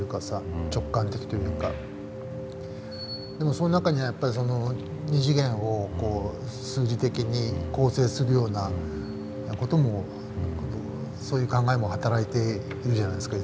その中には二次元を数字的に構成するような事もそういう考えも働いているじゃないですか。